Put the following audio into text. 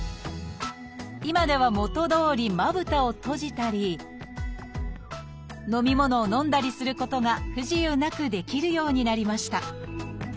今では元どおりまぶたを閉じたり飲み物を飲んだりすることが不自由なくできるようになりました